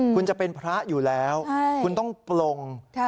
คุณจะเป็นพระอยู่แล้วคุณต้องปลง